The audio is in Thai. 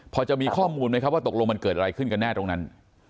พอจะมีข้อมูลไหมครับว่าตกลงมันเกิดอะไรขึ้นกันแน่ตรงนั้น